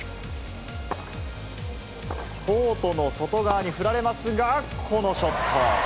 コートの外側に振られますが、このショット。